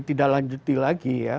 tidak lanjuti lagi ya